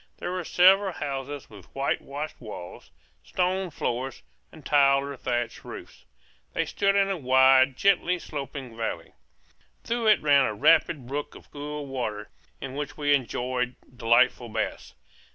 There were several houses with whitewashed walls, stone floors, and tiled or thatched roofs. They stood in a wide, gently sloping valley. Through it ran a rapid brook of cool water, in which we enjoyed delightful baths.